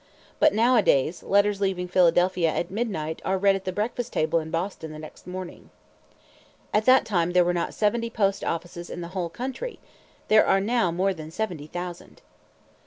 But nowadays, letters leaving Philadelphia at midnight are read at the breakfast table in Boston the next morning. At that time there were not seventy post offices in the whole country. There are now more than seventy thousand.